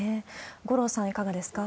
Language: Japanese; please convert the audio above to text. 五郎さん、いかがですか？